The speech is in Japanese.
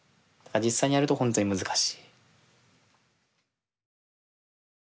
実際にやるとほんとに難しい。